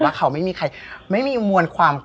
ว่าเขาไม่มีใครมันมันมันมันมัน